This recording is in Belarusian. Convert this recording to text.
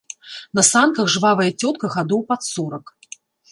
На санках жвавая цётка гадоў пад сорак.